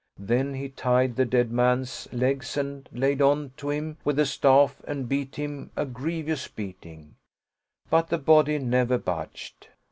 Then he tied the dead man's legs and laid on to him with the staff and beat him a grievous beating; but the body never budged.